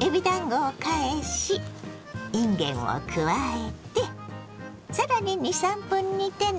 えびだんごを返しいんげんを加えて更に２３分煮てね。